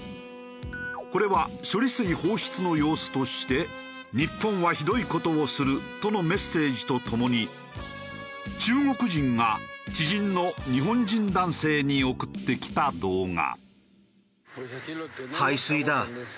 これは処理水放出の様子として「日本はひどい事をする」とのメッセージとともに中国人が知人の日本人男性に送ってきた動画。